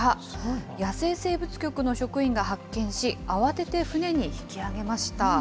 野生生物局の職員が発見し、慌てて船に引き上げました。